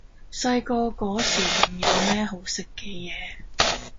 細個嗰時仲有咩好食嘅野？